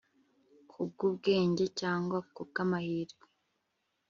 kubwubwenge cyangwa kubwamahirwe